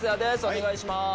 お願いします。